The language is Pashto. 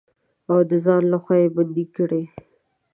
او د ځان لخوا يې بندې کړي.